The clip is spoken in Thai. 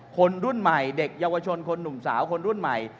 คนรุ่นใหม่เด็กเยาวชนคนหนุ่มสาวคนรุ่นใหม่